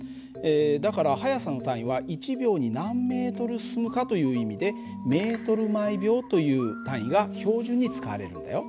だから速さの単位は１秒に何ｍ進むかという意味でｍ／ｓという単位が標準に使われるんだよ。